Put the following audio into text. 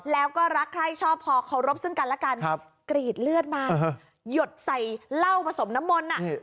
แล้วก็รักใครชอบพอเคารพซึ่งกันแล้วกันกรีดเลือดมาหยดใส่เหล้าผสมน้ำมนต์